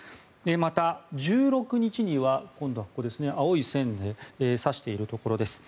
また、１６日には今度はここ、青い線で指しているところです。